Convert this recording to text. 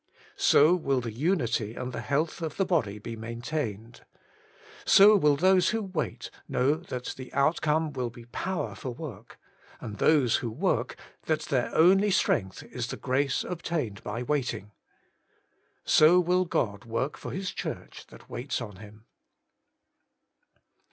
So will the unity and the health of the body be maintained. So will those who wait know that the outcome will be power for work, and those who work, that their only strength is the grace ob tained by waiting. So will God work for His Church that waits on Him.